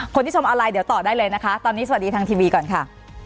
ชมออนไลน์เดี๋ยวต่อได้เลยนะคะตอนนี้สวัสดีทางทีวีก่อนค่ะ